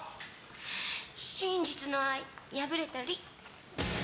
真実の愛、破れたり。